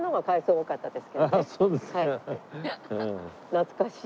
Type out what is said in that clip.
懐かしい。